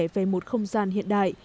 về một không gian hiện đại